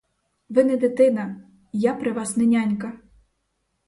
Ви не дитина, я при вас не нянька.